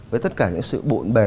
với tất cả những sự bộn bẻ